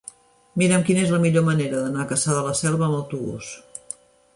Mira'm quina és la millor manera d'anar a Cassà de la Selva amb autobús.